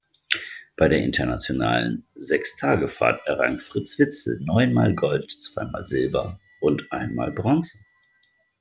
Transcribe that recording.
Bei der Internationalen Sechstagefahrt errang Fritz Witzel neunmal Gold, zweimal Silber und einmal Bronze.